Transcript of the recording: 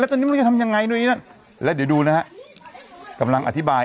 แล้วท่านนี้มันจะทำยังไงด้วยนี้นะแล้วเดี๋ยวดูนะฮะกำลังอธิบาย